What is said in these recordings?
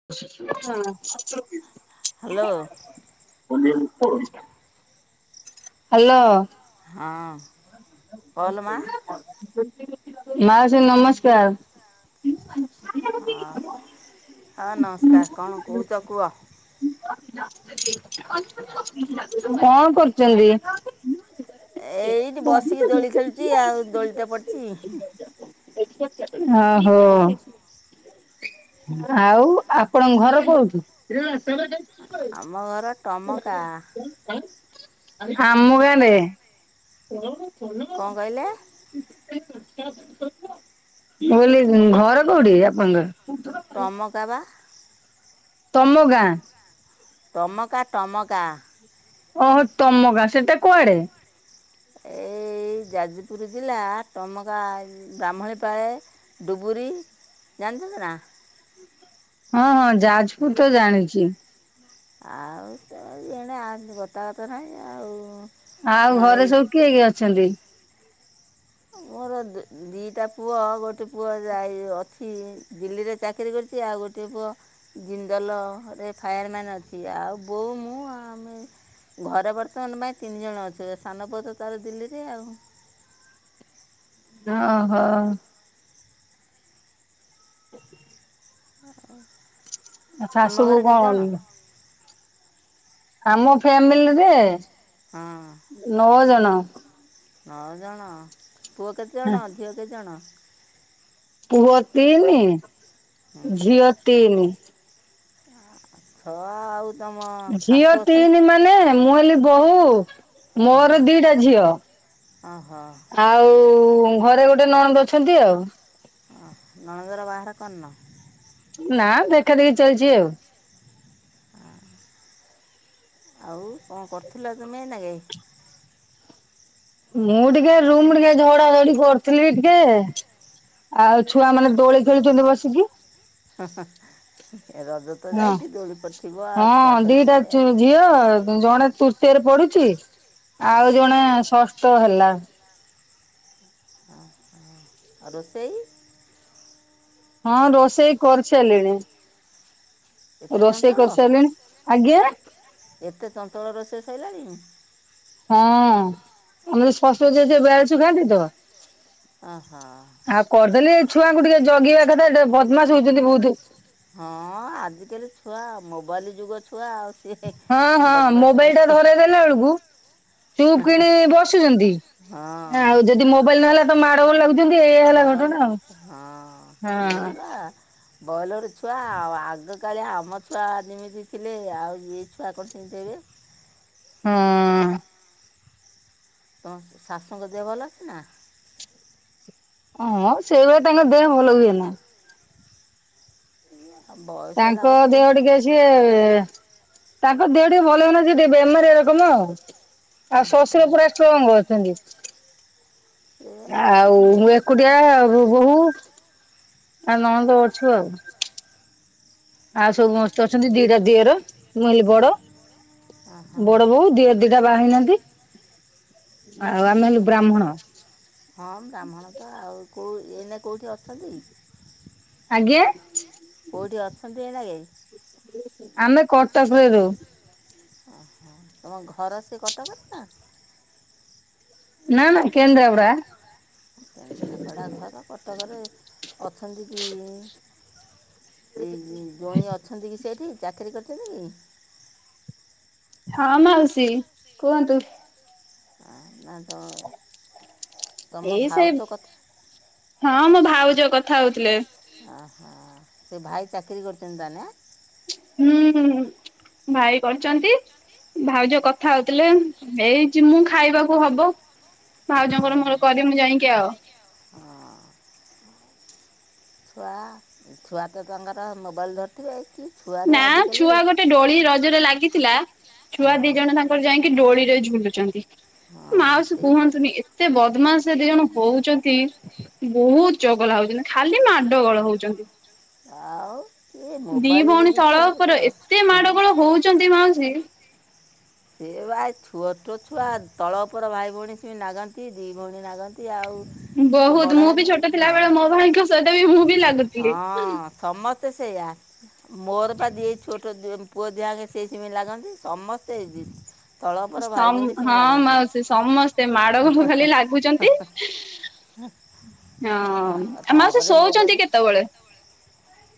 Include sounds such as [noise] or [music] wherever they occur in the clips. [unintelligible] ହୁଁ [unintelligible] hello. [unintelligible] Hello. ହଁ। କହଲୋ ମା' ମାଉସି ନମସ୍କାର। ହଁ ହଁ ନମସ୍କାର କଣ କୋହୁଚ କୁହ। [unintelligible] କଣ କରୁଚନ୍ତି। ଏଇଠି ବସିକି ଦୋଳି ଖେଳୁଚି ଆଉ ଦୋଳିତ ପଡିଚି। [unintelligible] ଆହୋ। ଆଉ ଆପଣଙ୍କ ଘର କୋଉଠି। ଆମ ଘର ଟମକା [unintelligible] [unintelligible] ଆମ [unintelligible] [unintelligible] କଁ କହିଲେ। [unintelligible] ମୁଁ କହିଲି ଘର କୋଉଠି ଆପଣଙ୍କର। ଟମକା ବା। ତମ ଗାଁ। ଟମକା ଟମକା। ଓହୋ ଟମକା ସେଟା କୁଆଡେ। ଏଇ ଏଇ ଯାଜପୁର ଜିଲ୍ଲା ଟମକା ବ୍ରାମଣୀପାଳେ ଡୁବୁରି ଜାଣିଛନ୍ତି ନା। ହଁ ହଁ ଯାଜପୁର ତ ଜାଣିଚି। ଆଉ ତ ଏଣେ ଆଉ ଗତା ଗତ ନାହିଁ ଆଉ। ଆଉ ଘରେ ଏଇ ସବୁ କିଏ କିଏ ଅଛନ୍ତି। ମୋରୋ ଦୁଇ ଦିଟା ପୁଅ ଗୋଟେ ପୁଅ ଯାଇ ଅଛି ଦିଲ୍ଲୀରେ ଚା କିରି କରିଚି ଆଉ ଗୋଟିଏ ପୁଅ ଜିନ୍ଦଲରେ ଫାୟାରମ୍ୟାନ୍ ଅଛି ଆଉ ବୋହୁ ମୁଁ ଆମେ ଘରେ ବର୍ତ୍ତମାନ ପାଇଁ ତିନି ଜଣ ଅଛୁ ସାନ ପୁଅ ତ ତାର ଦିଲ୍ଲୀରେ ଆଉ। ଅଃ। [inaudible] [unintelligible] ଆଉ ତୁମ ଶାଶୂ ବୋହୂ ଘରେ କେତେ କଣ ଜଣ ଉଁ ଆମ ଫ୍ୟାମିଲିରେ ହଁ। ନଅ ଜଣ। ନଅ ଜଣ ପୁଅ କେତେ ଜଣ ଝିଅ କେତେ ଜଣ। ପୁଅ ତିନି ହୁଁ, ଝିଅ ତିନି। ଛଅ ଆଉ ତମ ଝିଅ ଶାଶୁ ଅଛନ୍ତି। ତିନି ମାନେ ମୁଁ ହେଲି ବୋହୂ ହଁ ମୋର ଦିଟା ଝିଅ। ଓହୋ ଆଉ ଘରେ ଗୋଟେ ନଣନ୍ଦ ଅଛନ୍ତି ଆଉ। ଅ ନଣଦର ବାହାଘର କରିନ। ନା ଦେଖା ଦେଖି ଚାଲିଚି ଆଉ। ଆଉ କଣ କରୁଥିଲ ତୁମେ ଏଇନାକେ? ମୁଁ ଟିକେ ରୁମ୍ ଟିକେ ଝଡା ଝଡି କରୁଥିଲି ଟିକେ। ଆଉ ଛୁଆ ମାନେ ଦୋଳି ଖେଳୁଛନ୍ତି ବସିକି। ହା ହା ରଜ ତ ହଁ। ଯାଇଚି ଦୋଳି ପଡିଥିବ ଆଉ ଛୁଆ ହଁ ଦିଟା ଖେଳୁଥିବେ। ଝିଅ ଜଣେ ତୃତୀୟରେ ପଢୁଚି ହଁ ଆଉ ଜଣେ ଷଷ୍ଟ ହେଲା। ଅହ ଆଉ ରୋଷେଇ? ହଁ ରୋଷେଇ କରିସାଇଲିଣି। ଏତେ ରୋଷେଇ ଚଞ୍ଚଳ କରିସାରିଲିଣି ଆଜ୍ଞା। ଏତେ ଚଞ୍ଚଳ ରୋଷେଇ ସାଇଲାଣି? ହଁ ଆମର ଶଶୁର ଯିଏ ସିଏ ବେୟାଳୁଶୁ ଖାଆନ୍ତି ତ। ଓହୋ। ଆଉ କରିଦେଲି ଏ ଛୁଆଙ୍କୁ ଟିକେ ଜଗିବା କଥା, ଏଟେ ବଦମାସ ହଉଛନ୍ତି ବହୁତ। ହଁ ଆଜିକାଲି ଛୁଆ ମୋବାଇଲ ଯୁଗ ଛୁଆ ଆଉ। ସିଏ ହଁ ହଁ ବଦମାସ ମୋବାଇଲ ଟା ମାନେ ଧରା ଦେଲା ବେଳକୁ ଚୁପ୍ କିଣି ବସୁଚନ୍ତି ଆଉ ହଁ ଯଦି ମୋବାଇଲ ନହେଲା ତ ମାଡ ଗୋଳ ଲାଗୁଚନ୍ତି ଏଇଆ ହେଲା ମାଡ଼ଳ ଘଟଣା ଲାଗେ ହଁ ସିଏ ଆଉ ବା ବଏଲର ଛୁଆ ଆଉ ଆଗକାଳିଆ ଆମ ଛୁଆ ଯେମିତି ଥିଲେ ଆଉ ଇଏ ଛୁଆ କଣ ସେମିତି ହେବେ। ହଁ। ତ ଶାଶୁଙ୍କ ଦେହ ଭଲ ଅଛି ନା? ହଁ ସେଇଭଳିଆ ତାଙ୍କ ଦେହ ଭଲ ହୁଏନା। ଆ ବୟସ ହେଲା କତୁରୁ ଯିଏ ତାଙ୍କ ଦେହ ଟିକେ ଭଲ ହୁଏନା ସେ ଟିକେ ବେମାରିଆ ରକମ ଆଉ। ଆଉ ହଁ ଶଶୁର ପୁରା ହଁ ଷ୍ଟ୍ରଙ୍ଗ ଅଛନ୍ତି। ଆଉ ମୁଁ ଦେହ ପା ଏକୁଟିଆ ଆଉ। ଉ ବହୁ ଆଉ ନଣନ୍ଦ ଅଛୁ ଆଉ। ଆଉ ସବୁ ମସ୍ତ ଅଛନ୍ତି ଦିଟା ଦିଅର ମୁଁ ହେଲି ବଡ ବଡ ବୋଉ ଦିଅ ଦିଟା ବା ହେଇନାହାନ୍ତି, ଆଉ ଆମେ ସବୁ ହେଲୁ ବ୍ରାହ୍ମଣ। ହଁ ବ୍ରାହ୍ମଣ ତ ଆଉ କୋଉ ଏଇନା କେଉଠି ଅଛନ୍ତି? ଆଜ୍ଞା। କେଉଠି ଅଛନ୍ତି ଏଇନାକେ? ଆମେ କଟକ ରେ ରହୁ। ଓହୋ ତମ ଘର ସେ କଟକରେ ନା? ନା ନା କେନ୍ଦ୍ରାପଡା। କେନ୍ଦ୍ରାପଡ଼ା ଘର କଟକରେ ଅଛନ୍ତି କି? ଏଇ ଜ୍ୱଇଁ ଅଛନ୍ତି କି ସେଇଠି, ଚାକିରି କରିଛନ୍ତି କି? ହଁ ମାଉସୀ କୁହନ୍ତୁ। ଆ ଆତ ଏଇ ସେ ହଁ ମୋ ଭାଉଜ କଥା ହଉଥିଲେ। ଓହୋ ତୋ ଭାଇ ଚାକିରୀ କରିୁଚନ୍ତି ତାହାଲେ ଆଁ? ହୁଁ ଭାଇ କରିଚନ୍ତି। ଭାଉଜ କଥା ହଉଥିଲେ ଏଇ ଜି ମୁଁ ଖାଇବାକୁ ହବ। ଭଉଜଙ୍କର ମୋର କରିମୁଁ ଯାଇକି ଆଉ। ହଁ। ପା ଛୁଆ ତ ତାଙ୍କର ମୋବାଇଲ୍ ଧରିଥିବେ। କି ଛୁଆରେ ନା ଆଜିକାଲି ଛୁଆ ଗୋଟେ ଡୋଳି ରଜରେ ଲାଗିଥିଲା। ଛୁଆ ହଁ ଦି ଜଣ ତାଙ୍କ [unintelligible] ଯାଇକି ଡୋଳି ରେ ଝୁଲୁଚନ୍ତି। ହଁ ମାଉସି ସେଇ ତ କୁହନ୍ତୁନି ଏତ୍‌ ଏତେ ବଦମାସ ଏ ଦି ଜଣ ହଉଚନ୍ତି। ବହୁତ ଚଗଲା ହଉଚନ୍ତି ଖାଲି ମାଡ଼ ଗୋଳ ହଉଚନ୍ତି। ଆଉ ଇଏ ମୋବାଇଲ ଭଉଣୀ ନେଇକି ତଳ ଥୁଆ ଉପର ଏତେ ସେତ। ମାଡଗୋଳ ହଉଛନ୍ତି ମାଉସୀ। ସେ ଭାଇ ଛୁ ଛୋଟ ଛୁଆ ତଳ ଉପର ଭାଇ ଭଉଣୀ ସ ନାଗନ୍ତି ଦି ଭଉଣୀ ନାଗନ୍ତି ଆଉ। ଟିକେ ବହୁତ ବଡ଼ ମୁଁ ବି ହେଲେ ଛୋଟ ଥିଲା ହଁ ବଳେ ମୋ ଭାଇଙ୍କ ସହିତ ବି ମୁଁ ବି ଲାଗୁଥିଲି। ହଁ ସମସ୍ତେ ସେଇୟା। ମୋର ବା ଦି ଛୋଟ ପୁଅ ଦିଆକେ ସେଇଥିି ଲାଗନ୍ତି ସମସ୍ତେ ସେମିତ୍। ହଁ ମାଉସୀ ସମସ୍ତେ ମାଡଘଙ୍କୁୁ ଖାଲି ଲାଗୁଛନ୍ତି ହଁ ଆ ମାଉସୀ ତାପରେ ଶୋଉଛନ୍ତି କେତେବେଳେ?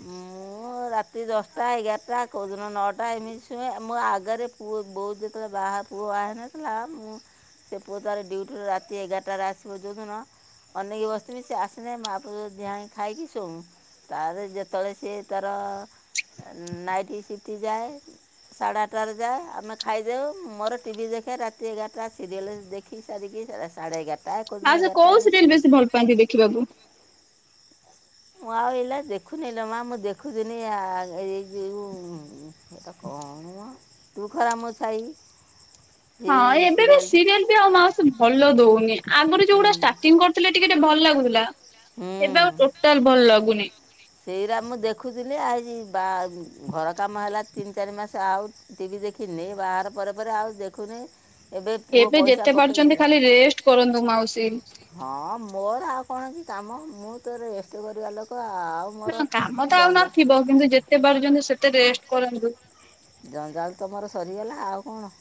ମୁଁ ମୁଁ ରାତି ଦଶଟା ଏଗାରଟା କଉଁଦିନ ନଅଟା ଏମିତି ଛୁଏଁ ମୋ ଆଗରେ ପ ବହୁତ ଯେତେବେଳେ ବାହାରୁ ପୁଅ ଆଇନ ଥିଲା ମୁଁ ସେ ପୁଅ ତାର ଡ୍ୟୁଟିରୁ ରାତି ଏଗାରଟାରେ ଆସିବ ଯେଉଁଦିନ ଅନେଇ କି ବସିଥିବି ବି ସେ ଆସନେ ମା ପୁ ଯିଆ ଖାଇକି ଶୁଉଁ ତାର ଯେତେବେଳେ ସିଏ ତାର ନାଇଟିି ସିଟି ଯାଏ ସାଢ଼େ ଆଠଟାରେ ଯାଏ ଆମେ ଖାଇଯାଉ ମୋର ଟିଭିି ଦେଖେ ରାତି ଏଗାରଟା ସିରିଏଲ୍ ଦେ ଖି ସାରିକି ସାଢେ ଏଗାର ହଁ ସେ କୋଉ ସିରିଏଲ ବେଶୀ ଭଲ ପାଆନ୍ତି ଦେଖିବାକୁ? ମୁଁ ଆଉ ଏଲା ଦେଖୁନି ଲୋ ମା ମୁଁ ଦେଖୁିଥିନି ଆ ଏ ଯଉ ସେଟା କଣ ମ ତୁ ଖରା ମୁଁ ଛାଇ। ସେଇ ହଁ ଏବେ ବି ସିରିଏଲ୍ଟା ସିରିଏଲ୍ ଆଉ ମାଉସୀ ଭଲ ଦଉନି ଆଗରୁ ଯୋଉଗୁଡା ଷ୍ଟାର୍ଟିଂ କରିୁଥିଲେ ଟିକେ ଟିକେ ଭଲ ଲାଗୁଥିଲା। ଏବେ ଆଉ ଟୋଟାଲ ଭଲ ଲାଗୁନି। ସେଇଟା ମୁଁ ଦେଖୁଥିଲି ଆଇ ବା ଘର କାମ ହେଲା ତିନି ଚାରି ମାସ ଆଉ ଟିଭି ଦେଖିନି ବାହାର ପରେ ପରେ ଆଉ ଦେଖୁନେଇ ଏବେ ଯେତେ ପାରୁଛନ୍ତି ଖାଲି ରେଷ୍ଟ କରନ୍ତୁ ମାଉସୀ। ହଁ ମୋର ଆଉ କଣ କି କାମ ମୁଁ ତ ରେଷ୍ଟ କରିବା ଲୋକ ଆଉ ମୋର କାମ ତ ଆଉ ଜଞ୍ଜା ନଥିବ କିନ୍ତୁ ଯେତେ ପାରୁଛନ୍ତି ସେତେ ରେଷ୍ଟ କରନ୍ତୁ। ଜଞ୍ଜାଲ ତ ମର ସରିଗଲା ଆଉ କଣ?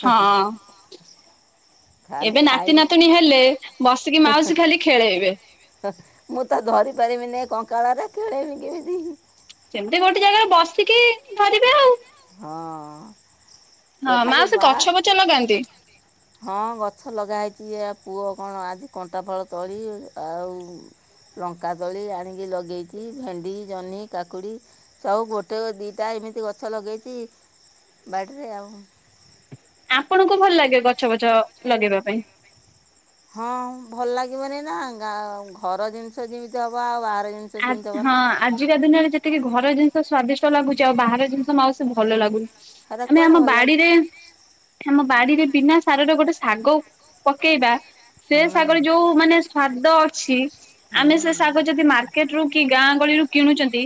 ହଁ। ଖାଲି ଏବେ ନାତି ଖାଇବି କି ନାତିୁଣୀ ହେଲେ ବସିକି ମାଉସୀ ଖାଲି ଖେଳେଇବେ। ମୁଁ ତ ଧରି ପାରିବିନି ଏ କଙ୍କାଳରେ ଖେଳେମି କେମିତି? ସେମିତି ଗୋଟେ ଜାଗାରେ ବସିକି ଧରିବେ ଆଉ। ହଁ। ହଁ ସେ ଖାଲି ମାଉସୀ ମା ଗଛ ପଛ ଲଗାନ୍ତି? ହଁ ଗଛ ଲଗା ହେଇଛି ଏହା ପୁଅ କଣ ଆଜି କଣ୍ଟା ଫଳ ତଳି ଆଉ ଲଙ୍କା ତଳି ଆଣିକି ଲଗେଇଛି ଭେଣ୍ଡି ଜହ୍ନି କାକୁଡି ସବୁ ଗୋଟେ ଦିଟା ଏମିତି ଗଛ ଲଗେଇଛି ବାଡିରେ ଆଉ। ଆପଣଙ୍କୁ ଭଲ ଲାଗେ ଗଛ ବଛ ଲଗେଇବା ପାଇଁ? ହଁ ଭଲ ଲାଗିବନି ନା ଗାଁ ଘର ଜିନିଷ ଯେମିତି ହବ ଆଉ ବାହାର ଜିନିଷ ସେମିତି ହେବ ହଁ ନା। ଆଜିକା ଦୁନିଆରେ ଯେତିକି ଘର ଜିନିଷ ସ୍ଵାଦିଷ୍ଟ ଲାଗୁଛି ଆଉ ବାହାର ଜିନିଷ ମାଉସ୍ ଏ ଭଲ ଲାଗୁନି ହେରା ଆମେ କୁଆଡ଼େ ଆମ ଭଲ ଲାଗିବ ବାଡିରେ ଆମ ବାଡିରେ ବିନା ସାରରେ ଗୋଟେ ଶାଗ ପକେଇବା ସେ ଶାଗରେ ହୁଁ। ଯୋଉ ମାନେ ସୁଆଦ ଅଛି ଆମେ ସେ ହୁଁ। ଶାଗ ଯଦି ମାର କେଟ୍ କି ଗାଁ ଗହଳିରୁ କିଣୁଛନ୍ତି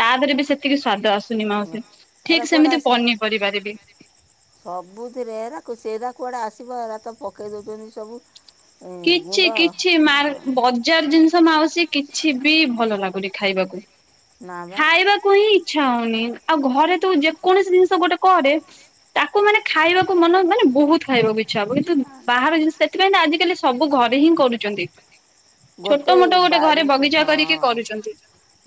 ତା ଦେହରେ ବି ସେତିକି ସ୍ଵାଦ ଆସୁଛି। ସୁନି ମାଉସୀ ହେରା ଠିକ କୁଆଡ଼େ ସେମିତି ଆସିବ? ପନିପରିବାରେ ବି। ସବୁଥିରେ ଏରାକୁ ସେଟା କୁଆଡେ ଆସିବ ଏରା ତ ପକେଇ ଦଉଛନ୍ତି ସବୁ। କିଛି ଗୁଣ୍ଡ କିଛି ମାର ହଁ। ବଦ୍ ଜାର ଜିନିଷ ମାଉସ କିଛି ବି ଭଲ ଲାଗୁନି ଖାଇବାକୁ। ନା ବା। କୁ ହି ଇଚ୍ଛା ହଉନି ଆଉ ଘରେ ତୁ ଯେକୌଣସି ଜିନିଷ ଗୋଟେ କରେ ତାକୁ ମାନେ ଖାଇବାକୁ ମନ ମାନେ ବହୁତ ଖାଇବାକୁ ଇଚ୍ଛା ହବ କିନ୍ତୁ ଆ ବାହାର ଜିନିଷ ସେଥିପାଇଁ ଆଜିକାଲି ସବୁ ଘରେ ହିଁ କରୁଛନ୍ତି। ଛୋଟ ଗୋଟେ ମୋଟ ଗୋଟେ ବାଡ଼ି ଘରେ ହଁ ବଗିଚା କରିକି କରୁଛନ୍ତି।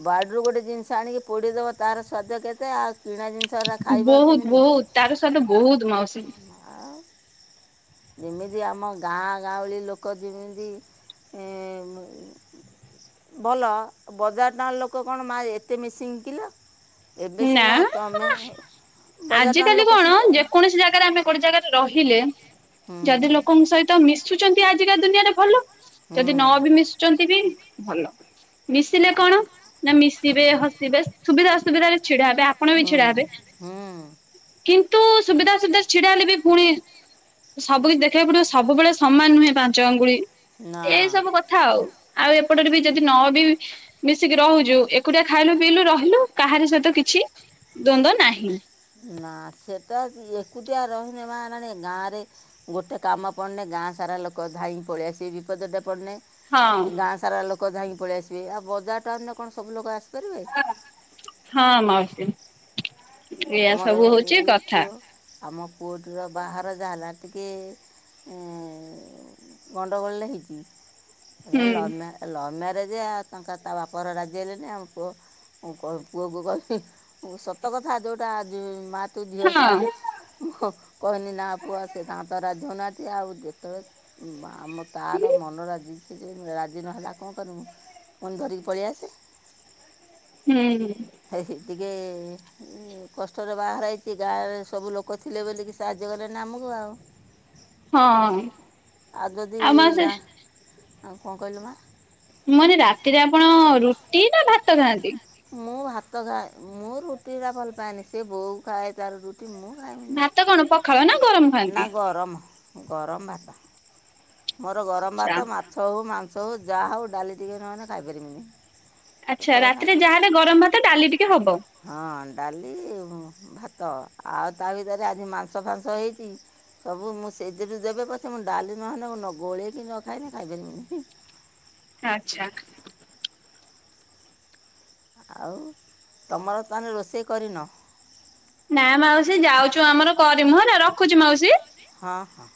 ବାଡ଼ିରୁ ଗୋଟେ ଜିନିଷ ଆଣିକି ପୋଡ଼ିଦେବ ତାର ସ୍ୱାଦ କେତେ ଆଉ କିଣା ଜିନିଷ ହେଟା ଖାଇବ ଆଉ ବହୁତ କେମିତି ବହୁତ ତାର ସ୍ୱାଦ ବହୁତ ମାଉସି। ଆଉ ଯେମିତି ଆମ ଗାଁ ଗାଉଳି ଲୋକ ଯେମିତି ଭଲ ବଜାର ଟାଙ୍କା ଲୋକ କଣ ମା ଏତେ ମିସିଙ୍ଗ କିଲ? ନା ନା ବଜାର ଟାଉନ୍ ଆଜିକାଲି ଲୋକ କଣ ସେମିତି ଯେକୌଣସି ଜାଗାରେ ଆମେ ଗୋଟେ ଜାଗାରେ ରହିଲେ ହୁଁ ଯଦି ଲୋକ ଲୋକଙ୍କ ସହିତ ମିଶୁଚନ୍ତି ଆଜିକା ଦୁନିଆରେ ଭଲ। ହୁଁ ଯଦି ନ ମିଶୁଛନ୍ତି ବି ମିଶୁଚନ୍ତି ବି ଭଲ। ମିଶିଲେ କଣ ନା ମିସ ଥିବେ ହସିବେ ସୁବିଧା ଅସୁବିଧରେ ଛିଡା ହେବେ ଆପଣ ବି ଛିଡା ହେବେ। କିନ୍ତୁ ସୁବିଧା ସୁବିଧା ଛିଡା ହେଲେ ବି ପୁଣି ସବୁ କିଛି ଦେଖିବାକୁ ପଡିବ ସବୁବେଳେ ସମାନ ନୁହେଁ ପାଞ୍ଚ ଆଙ୍ଗୁଳି ହୁଁ ନା ଏଇ ସବୁ କଥା ଥାଉ ଆଉ ଏପଟରେ ବି ଯଦି ନ ବି ମିଶିକି ରହୁଚୁ ଏକୁଟିଆ ଖାଇଲୁ ପିଇଲୁ ରହିଲୁ କାହାରି ସହିତ କିଛି ଦ୍ଵନ୍ଦ୍ୱ ନାହିଁ। ନା ସେଟା ଏକୁଟିଆ ରହିନେ ମା ଗାଁ ରେ ଗୋଟେ କାମ ପଡ଼ନେ ଗାଁ ସାରା ଲୋକ ଧାଇଁ ପଳେଇଆସିବେ ବିପଦଟେ ପଡ଼ନେ ହଁ ଗାଁ ସାରା ଲୋକ ଯାଇକି ପଳେଇ ଆସିବେ ଆଉ ବଜାର ଟାଉନ ରେ କଣ ସବୁ ଲୋକ ଆସିପାରିବେ? ହଁ ମାଉସୀ ଏଇୟଆ ଆମର ସବୁ ହଉଚି ଏଇ କଥା। ପୁଅ ଆମ ପୁଅଟିର ବାହାର ଯାହା ହେଲା ଟିକେ ଅ ଗଣ୍ଡଗୋଳ ଟେ ହେଇଚି ଏ ହୁଁ ଲଭ ମା ଲଭ୍ ମ୍ୟାରେଜ ଆଉ ତାଙ୍କର ତା ବାପ ଘରେ ରାଜି ହେଲେନି ଆମ ପୁଅ ମୁଁ ପୁଅକୁ କହିଲି ସତ କଥା ଯୋଉଟା ଉଁ ମା ତୁ ଝିଅ ହଁ ସମାନେ। ମୁଁ କହିନି ନା ପୁଅ ସେ ତା ତ ରାଜି ହେନାହାନ୍ତି ଆଉ ଯେତେବେଳେ ଆମ ତାର ମନ ରାଜି ବି ଯେ ରାଜି ନହେଲା କଣ କରିବୁ? ଫନ୍ ଧରିକି ପଳେଇ ଆସେ। ହୁଁ। ହେଇ ସେତିକି ଏ କଷ୍ଟରେ ବାହାର ହେଇଚି ଗାଁରେ ସବୁ ଲୋକ ଥିଲେ ବୋଲିକି ସାହାଯ୍ୟ କଲେନି ଆମକୁ ଆଉ। ହଁ। ଆଉ ଯଦି ଗାଁ କଣ କହିଲୁ ମା? ମୁ କହିଲି ରାତିରେ ଆପଣ ରୁଟି ନା ଭାତ ଖାଆନ୍ତି? ମୁଁ ଭାତ ଖାଏ ମୁଁ ରୁଟି ଟା ଭଲ ପାଏନି ସେ ବଉ ଖାଏ ତାର ରୁ ମୁଁ ଖାଏନି। ଭାତ କଣ ପଖାଳ ନା ଗରମ ନା ଖାଆନ୍ତି? ଗରମ ଗରମ ଭାତ। ମୋର ଗରମ ଆଚ୍ଛା ଭାତ ମାଛ ହେଉ ମାଂସ ହେଉ ଯାହା ହେଉ ଡାଲି ଟିକେ ନ ହେଲେ ଖାଇପାରିବିନି। ସତ ଆଚ୍ଛା କଥା ରାତିରେ ନା ଯାହାଲେ ଗରମ ଭାତ ଡାଲି ଟିକେ ହବ। ହଁ ଡାଲି ଭାତ ଆଉ ତା ଭିତରେ ଆଜି ମାଂସ ଫାଂସ ହେଇଚି। ସବୁ ମୁଁ ସେଇଥିରୁ ଦେବେ ପଛେ ମୁଁ ଡାଲି ନହେଲେ ନ ଗୋଳେଇକି ନ ଖାଇଲେ ଖାଇପାରିବିନି। ଆଚ୍ଛା। ଆଉ ତମର ତାହେଲେ ରୋଷେଇ କରିନ? ନା ମାଉସୀ ଯାଉଛୁ ଆମର କରିମୁ ହ ନା ରଖୁଚୁ ମାଉସୀ। ହଁ ହଁ।